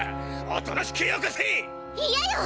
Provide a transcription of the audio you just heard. おとなしくよこせ！いやよ！